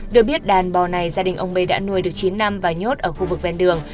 được biết đàn bò này gia đình ông bê đã nuôi được chín năm và nhốt ở khu vực ven đường